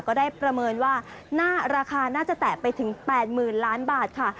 ก็ได้ประเมินว่าราคาน่าจะแตะไปถึง๘๐๐๐ล้านบาทค่ะ